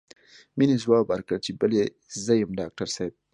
مينې ځواب ورکړ چې بلې زه يم ډاکټر صاحب.